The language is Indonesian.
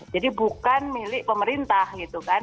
jadi bukan milik pemerintah gitu kan